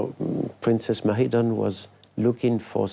พวกพระเจ้าชอบพ่อของพ่อมาก